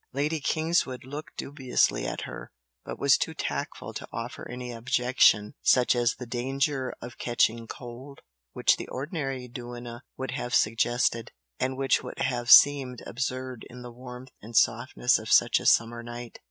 Lady Kingswood looked dubiously at her, but was too tactful to offer any objection such as the "danger of catching cold" which the ordinary duenna would have suggested, and which would have seemed absurd in the warmth and softness of such a summer night.